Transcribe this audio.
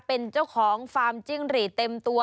เป็นเจ้าของฟาร์มจิ้งหรีดเต็มตัว